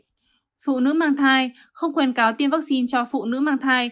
vì phụ nữ mang thai không khuyên cáo tiêm vaccine cho phụ nữ mang thai